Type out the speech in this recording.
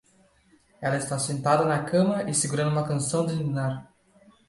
Ela está sentada na cama e segurando uma canção de ninar